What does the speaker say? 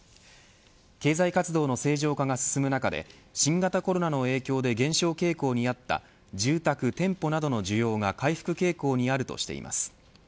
経済活動の正常化が進む中で新型コロナの影響で減少傾向にあった住宅、店舗などの需要が回復傾向にあるとしています。